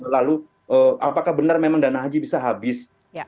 lalu apakah benar memang dana haji bisa habis